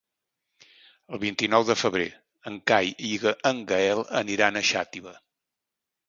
El vint-i-nou de febrer en Cai i en Gaël aniran a Xàtiva.